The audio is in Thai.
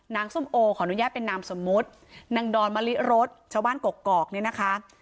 ส้มโอขออนุญาตเป็นนามสมมุตินางดอนมะลิรสชาวบ้านกกอกเนี่ยนะคะ